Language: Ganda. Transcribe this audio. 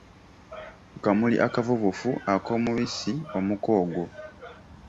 Akamuli akavubufu ak’omubisi omuka ogwo.